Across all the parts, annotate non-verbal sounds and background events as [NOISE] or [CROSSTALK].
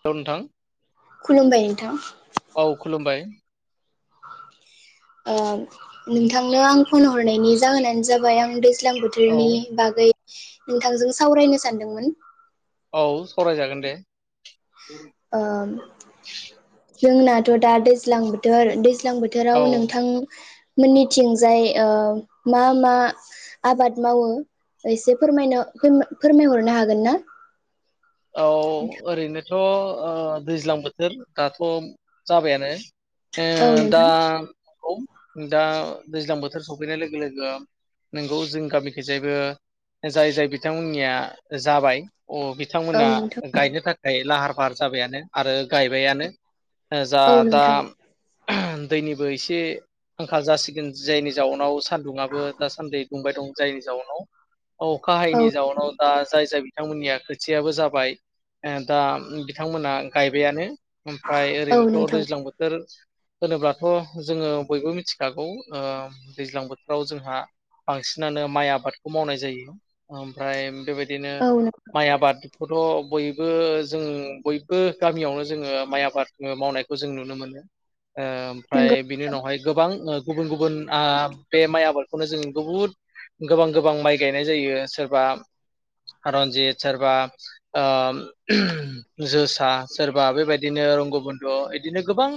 औ नोंथां खुलुमबाय नोंथां औ खुलुमबाय ओ नोंथांनो आं फन हरनायनि जाहोनानो जाबाय आं [UNINTELLIGIBLE] दैज्लां औ बोथोरनि बागै नोंथांजों सावरायनो सानदोंमोन औ सरायजागोन दे ओ जोंनाथ' दा दैज्लां बोथोर दै ज्लां औ बोथोराव नोंथां मोननिथिंजाय ओ मा मा आबाद मावो एसे फोरमायनो फोरमाय फोरमायहरनो हागोन ना औ ओरैनो थ' ओ दैज्लां बोथोर दाथ जाबायानो ए औ दा नोंथां खौ दा दैज्लां बोथोर सौफैनाय लोगो लोगो नोंगौ जोंनि गामिखिजायबो जाय जाय बिथांमोननिया जाबाय अ बिथांमोना गायनो थाख खै लाहार फाहार जाबायानो आरो गायबायानो। ओ जा औ दा नोंथां दैनिबो एसे आंखाल जासिगोन जायनि जाउनाव सान्दुङाबो दा सान्दै दुंबाय दं। जायनि जाउनाव अखाहायनि जाउनाव दा जाय जाय बिथांमोननिया खोथियाबो जाबाय ओ दा बिथांमोना गायबायानो। ओमफ्राय औ नोंथां औ ओरैनोथ' नोंथां दैज्लां बोथोर होनोब्लाथ' जोङो बयबो मिथिखागौ ओ दैज्लां बोथोराव जोंहा बांसिनानो माइ आबादखौ मावनाय जायो। ओमफ्राय बेबायदिनो औ माइ आबाद थ' बयबो जों बयबो गामियावनो जोङो माइ आबाद मावनायखौ जों नुनो मोनो। ओ नंगौ ओमफ्राय बिनि उनावहाय गोबां गुबुन गुबुन आ बे माइ आबादखौनो जों बहुद गोबां गोबां माइ गायनाय जायो सोरबा रारन्जित सोरबा ओ जोसा सोरबा बेबायदिनो रंगबन्ध' बिदिनो गोबां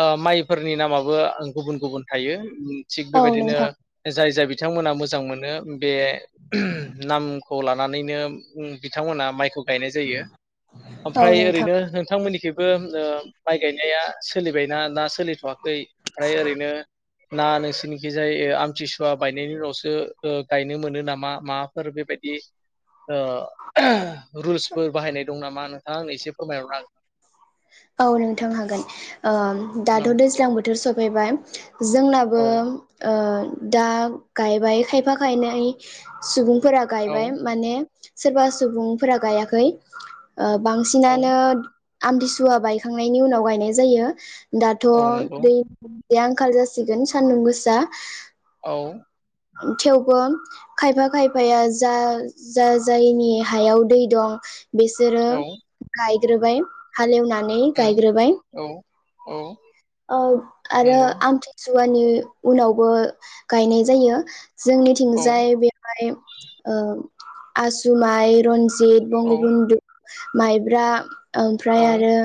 ओ माइफोरनि नामाबो गुबुन गुबुन थायो। थिग औ बेबायदिनो नोंथां जाय जाय बि बिथांमोना मोजां मोनो बे नाम खौ लानानैनो बिथांमोना माइखौ गायनाय जायो औ ओमफ्राय नोंथां ओरैनो नोंथांमोननिखि माइ गायनाया सोलिबायना ना सोलिथ'वाखै फ्राय ओरैनो ना नोंसिरनिखिजाय आमथिसुवा बायनायनि उनावसो गायनो मोनो नामा माबाफोर बेबायदि [UNINTELLIGIBLE] रुल्सफोर बाहायनाय दं नामा नोंथां एसे फोरमायहरनो औ नोंथां हागोन। दाथ' हागोन दैज्लां बोथोर सफैबाय। जोंनाबो औ ओ दा गायबाय खायफा खायन सुबुं फोर औ गायबाय माने सोरबा सुबुंफोरा गायाखै ओ बां औ हालोद आमदिसुवा बायखांनायनि उनाव गायनाय जायो दाथ' औ नंगौ दै बे आंखाल जासिगोन सानदुं गोसा औ थेवबो खायफा खायफाया जा जा जायनि हायाव दै दं बेसोर औ गाय बाय हालेवना उम गायग्रोबाय औ औ औ आरो नंगौ आमथि सुवानि उनावबो गायनाय जायो जोंनिथिंजाय औ बेवहाय आसुमाइ रनजि द बंगबुन्दु माइब्रा औ ओमफ्राय आरो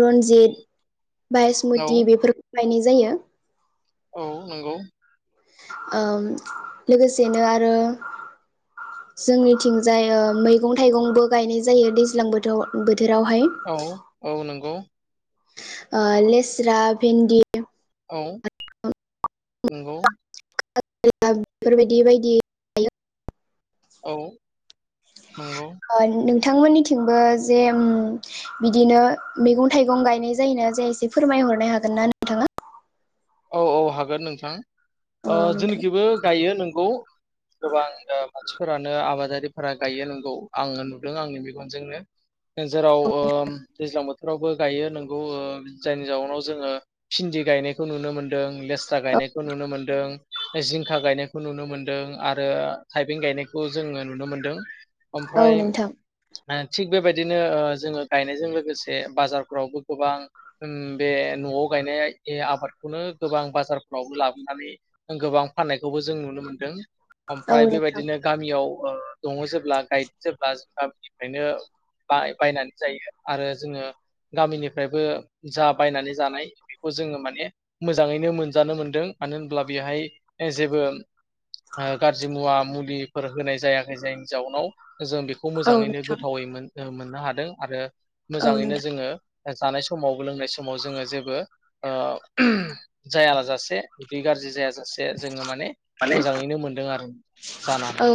रन्जित औ बायसमुति बेफोर गायनाय जायो औ नंगौ ओ लोगोसेनो आरो जोंनिथिंजाय ओ मैगं थाइगंबो गायनाय जायो दैज्लां बोथोर बोथ थोरावहाय औ औ नंगौ ओ लेस्रा भिन्दि औ नंगौ। बेफोरबायदि बायदि औ नंगौ थांमोननिथिंबो जे बिदिनो मैगं थाइगं गायनाय जायोना जाया एसे फोरमायहरनो हागोन ना नोंथाङा? औ औ हागोन नोंथां। औ नोंथां जोंनिखिबो गायो नोंगौ गोबां। मानसिफोरानो आबादारिफोरा गायो नोंगौ आङो नुदों आंनि मेगनजोंनो जेराव दैज्लां बोथोरावबो गायो नोंगौ जायनि जाउनाव जोङो भिन्दि गायनाय खौ नुनो मोन्दों। लेस्रा गायनायखौ नुनो मोनदों जिंखा गायनायखौ नुनो मोनदों आरो आरो थाइबें गायनायखौ जोङो नुनो मोनदों। औ ओमफ्राय नोंथां। थिग बेबायदिनो ओ जोङो गायनायजों लोगोसे बाजारफ्रावबो गोबां उम बे न'आव गायनाय आबाद। [UNINTELLIGIBLE] गोबां बाजारफ्रावबो लाबोनानै गोबां फाननायखौबो जों नुनो मोनदों। औ ओमफ्राय नोंथां बेबायदिनो गामियाव ओ दङ जेब्ला गाय जेब्ला गामिनिफ्रायनो बा-बायनानै जायो आरो जोङो गामिनिफ्रायबो जा बायनानै जानाय बेखौ जोङो माने मोजाङैनो मोनजानो मोनदों मानो होनब्ला बेहाय जेबो ओ गाज्रि मुवा मुलिफोर होनाय जायाखै जायनि जाउनाव जों बेखौ औ नोंथां औ मोजाङैनो नोंथां गोथावै मोन ओ मोन मोननो हादों आरो औ मोजाङैनो नोंथां जोङो जानाय समावबो लोंनाय समाव जोङो जेबो ओ जाया लाजासे माने उदै गाज्रि जायाजासे जोङो माने मोजाङैनो मोनदों आरो जानानै औ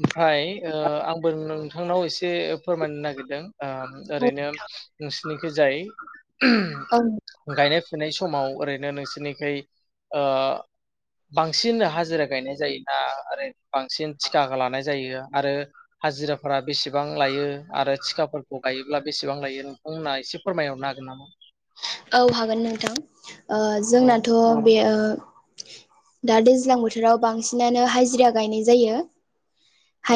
ओमफ्राय ओ आंबो नोंथां नोंनाव एसे फोरमायनो नागिरदों। ओ ओरैनो नोंसिनिखि जाय औ [UNINTELLIGIBLE] गायनाय समाव ओरैनो नोंसोरनिखै ओ बांसिन हाजिरा गायनाय जायोना ओरै बांसिन थिका लानाय जायो? आरो हाजिराफोरा बेसेबां लायो आरो थिखाफोरखौ गायोब्ला बेसेबां लायो नोंथांमोनना एसे फोरमायहरनो हागोन नामा? औ हागोन नोंथां। ओ औ जोंनाथ' बे ओ दा दैज्लां बोथोराव बांसिनानो हाजिरा गायनाय जायो।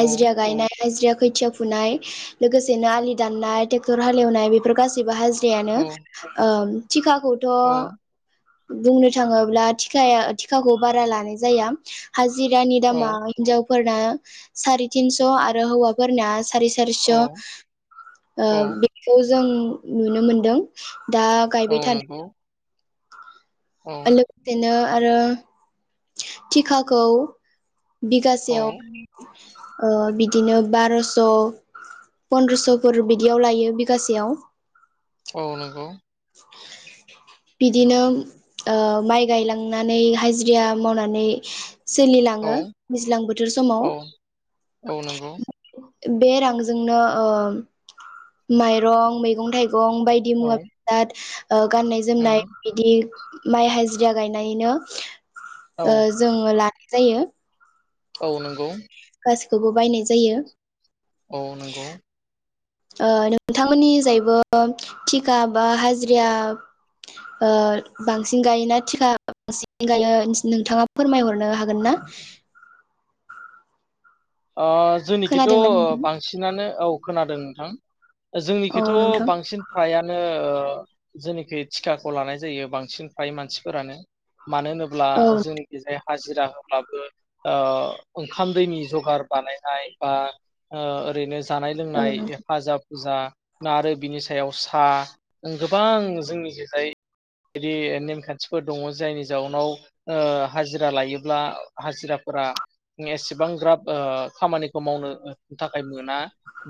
औ गायनाय हाजिराखौ खोथिया फुनाय लोगोसेनो आलि दाननाय ट्रेक्टर हालेवनाय बेफोर गासैबो हा जिरायानो औ ओम टिका खौथ' औ बुंनो थाङोब्ला थिकाया थिकाखौ बारा लानाय जाया हाजि जिरानि औ दामा हिनजाव फोरना सारिटिनस आरो हौवा फोरना सारिस' सारिस' औ ओ औ बेखौ जों नुनो मोनदों। [INAUDIBLE] दा औ गायबाय थानायानो नंगौ औ आ लोगसेनो आरो टिकाखौ औ बिगासेयाव ओ बिदिनो बार'स' पन्द्रस'फोर बिदियाव लायो बिगासेयाव औ नंगौ बिदिनो ओ माइ गायलांनानै हाजिरा मावनानै औ सोलिलाङो दैज्लां बोथोर समाव औ औ नंगौ बे रांजोंनो ओ माइरं मैगं थाइगं गं बायदि औ मुवा [UNINTELLIGIBLE] ओ गाननाय जोमनाय उम बिदि माइ हाजिरा गायनायनो औ ओ जोङो ला जायो औ नंगौ गासैखौबो बायनाय जायो औ नंगौ ओ नोंथांमोननि जायैबो थिका बा हाजिराया ओ बांसिन गायोना थिका बांसिन गायो नोंथाङा फोरमायहरनो हागोन ना? ओ जोंनिखिथ खोनादोंना बांसिनानो औ खोनादों नोंथां ओ औ जोंनिखिथ नोंथां बांसिन फ्रायानो ओ जेनेखि तिकाखौ लानाय जायो बांसिन फाय मानसिफोरानो मानो होनोब्ला औ जोंनि खि जाया हाजिरा होब्लाबो ओ ओंखाम दैनि जगार बानायनाय बा ओ ओरैनो जानाय औ लोंनाय नोंथां हेफाजाब फुजा आरो बिनि सायाव सा गोबां जोंनिखिजाय बिदि नेमखान्थिफोर दङ जायनि जाउनाव ओ हाजिरा लायोब्ला हाजिराफोरा एसेबां ग्राब ओ खामानिखौ मावनो थाखाय मोना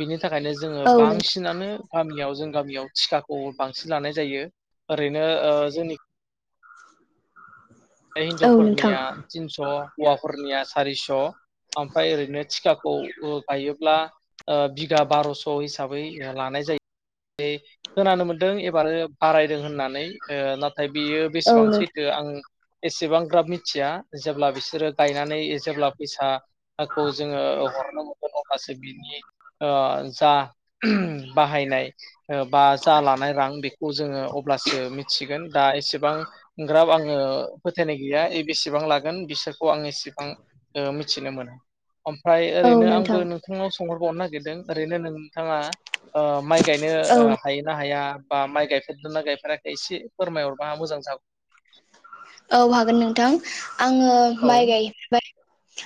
बिनि थाखायनो जोङो बांसिनानो गामियाव जों गामियाव तिकाखौ बांसिन लानाय जायो ओरैनो ओ जोंनि औ नोंथां औ नोंथां हिनजावफोरनिया तिनस हौवाफोरनिया सारिस ओमफ्राय ओरैनो तिखा खौ बायोब्ला ओ बिगा बारसहिसाबै लानाय जायो खोनानो मोन्दों एबार बारायदों होननानै नाथाय बियो बेसेबां सैथो आं एसेबां ग्राब मिथिया जेब्ला बिसोरो गायनानै जेब्ला फैसा नाखौ जोङो हरनो मोनो अब्लासो बिनि ओ जा बाहायनाय बा जा लानाय रां बेखौ जोङो अब्लासो मिथिगोन दा एसेबां ग्राब आङो फोथायनाय गैया बेसेबां लागोन बिसोरखौ आं एसेबां मिथिनो मोन ओमफ्राय औ ओरैनो नोंथां आंबो नोंथांनावसो सोंहरबावनो नागिरदों ओरैनो नों बिथाङा ओ माइ गायनो औ नोंथां औ हायो ना हाया बा माइ गायफेरदो ना गायफेराखै एसे फोरमायहरबा मोजां जागौमोन औ हागोन नोंथां आङो औ माइ गाय फे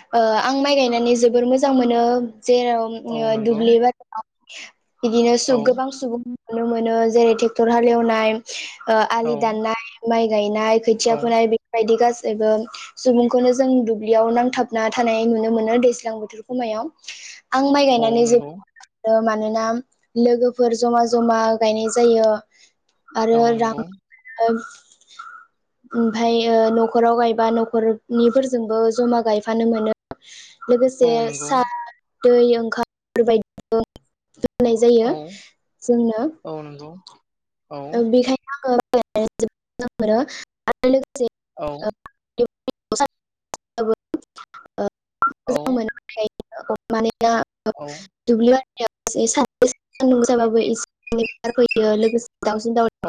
[INAUDIBLE] ओ आं माइ गायनानै जोबोर मोजां मोनो जेराव औ नंगौ दुुबब्लि [UNINTELLIGIBLE] [INAUDIBLE] बिदिनो औ [UNINTELLIGIBLE] गोबां सुबुं नुनो मोनो जेरै ट्रेक्टर हालेवनाय औ आलि दाननाय माइ गायनाय खोथिया औ फुनाय [UNINTELLIGIBLE] जेबो सुबुंखौनो जों दुब्लियाव नांथाबना थानाय नुनो मोनो दैज्लां बोथोरखौ खमायाव आं माइ औ गायनानै नंगौ [UNINTELLIGIBLE] मानोना लोगोफोर जमा जमा गायनाय जायो आरो औ रां नंगौ ओमफाय न'खराव गायबा न'खरनिफोरजोंबो जमा गायफानो मोनो औ लोगोसे नंगौ सा दै ओंखारफोर [UNINTELLIGIBLE] होननाय जायो औ जोंनो औ नंगौ औ बेखायनो आङो [UNINTELLIGIBLE] औ [UNINTELLIGIBLE] मोजां औ मोन [UNINTELLIGIBLE] [UNINTELLIGIBLE] माने [UNINTELLIGIBLE] औ दुब्लियाव सानदुं गोसा जाबाबो एसे एनै बार फैयो लोगोसे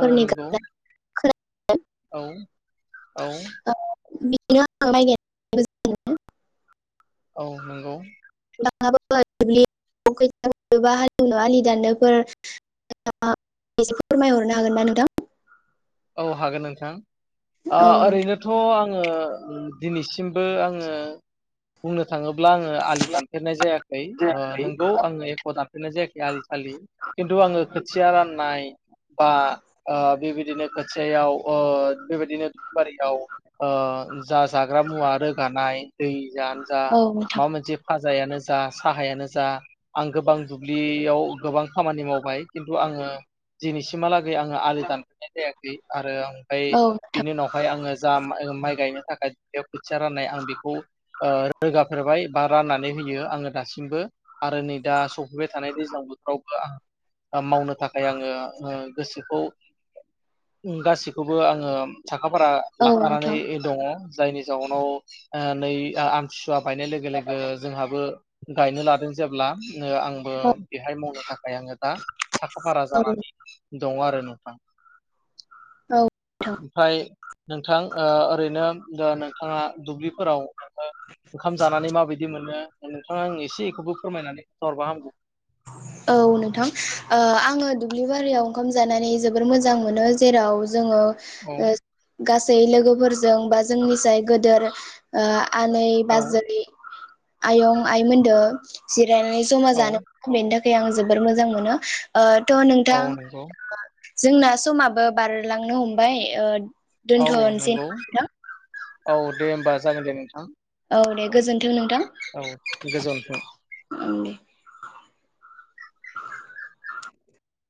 औ नंगौ दाउलाफोरनि गाबनाय औ खोना औ [UNINTELLIGIBLE] [UNINTELLIGIBLE] मोजां मोनो औ नंगौ। [UNINTELLIGIBLE] हालेवनो आलि दाननोफोर एसे फोरमायहरनो हागोन ना नोंथां? औ हागोन नोंथां। ओ औ नोंथां ओरैनोथ' आं ओ दिनैसिमबो आङो बुंनो थाङोब्ला ब्ला आलि दानफेरनाय जायाखै नंगौ आङो एख' दानफेरनाय जायाखै आलि सालि खिन्थु आङो खोथिया राननाय बा बेबाय इदिनो खासेयाव ओ बेबायदिनो बारियाव ओ जा जाग्रा मुवा रोगानाय दैयानो जा माबा मोनसे जायानो जा साहायानो जा आं गोबां दुब्लियाव गोबां खामानि मावबाय खिन्थु आङो दिनिसिमहालागै आङो आलि दानफेरनाय जायाखै। आरो आं ओमफ्राय औ नोंथां बिनि उनावहाय आङो जा माइ गायनो थाखाय बेयाव खोथिया राननाय आं बेखौ ओ रोगाफेरबाय बा राननानै होयो आङो दासिमबो आरो नै दा सफैबाय थानाय दैज्लां बोथावबो आंहा मावनो थाखाय आङो ओ गोसोखौ गासैखौबो आङो सा साखा फारा औ लाफानानै नोंथां दङ। जायनि जाउनाव नै आम सुवा बायनाय लोगो लोगो जोंहाबो गायनो लादों जेब्ला आंबो औ बेहाय मावनो थाखाय आङो दा साखा फारा नोंथां औ जानानै दङ आरो। लांदां नोंथां ओमफ्राय नोंथां ओ ओरैनो नोंथाङा दुब्लिफोराव ओंखाम जानानै माबायदि मोनो नोंथाङा आं एसेखौबो फोरमायनानै हरबा हामगौ। औ नोंथां ओ आङो दुब्लि बारियाव ओंखाम जानानै जोबोर मोजां मोनो जेराव जोङो ओ औ गासै गासै लोगोफोरजों बा जोंनि जाय गेदेर ओ आनै औ बाजै आयं आइमोनदो जे नानै जमा औ जानो। बेनि थाखाय आं जोबोर मोजां मोनो ओ। द औ नोंथां। नंगौ जोंना समाबो बारलांनो हमबाय औ दोनथ नो सै नंगौ नामा नोंथां। औ दे होमबा जागोन दे नोंथां। औ दे गोजोनथों नोंथां। औ गोजोनथों